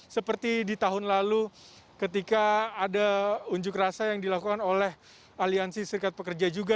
seperti di tahun lalu ketika ada unjuk rasa yang dilakukan oleh aliansi serikat pekerja juga